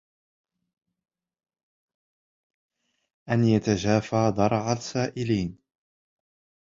أَنْ يَتَجَافَى ضَرَعَ السَّائِلِينَ